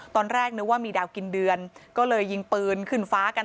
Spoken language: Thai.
ตอนแรกนึกว่ามีดาวกินเดือนก็เลยยิงปืนขึ้นฟ้ากัน